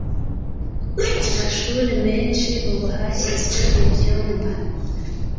Ku mashuri menshi ubu hashyizwe ibyumba